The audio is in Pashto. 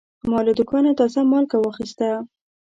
ما له دوکانه تازه مالګه واخیسته.